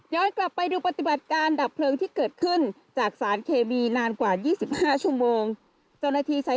กลับไปดูปฏิบัติการดับเพลิงที่เกิดขึ้นจากสารเคมีนานกว่า๒๕ชั่วโมงเจ้าหน้าที่ใช้